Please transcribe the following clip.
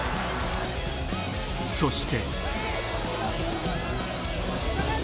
そして。